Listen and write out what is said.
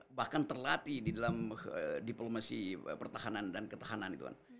pak prabowo bahkan terlatih di dalam diplomasi pertahanan dan ketahanan gitu kan